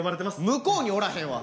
向こうにおらへんわ。